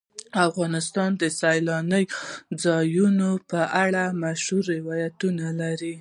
افغانستان د سیلاني ځایونو په اړه مشهور روایتونه لري.